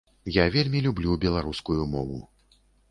Я вельмі люблю беларускую мову.